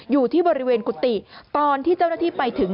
อยู่ที่บริเวณกุฏิตอนที่เจ้าหน้าที่ไปถึง